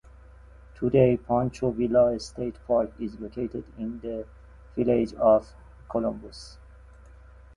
Today, Pancho Villa State Park is located in the village of Columbus.